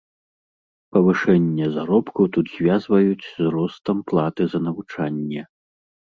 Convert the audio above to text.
Павышэнне заробку тут звязваюць з ростам платы за навучанне.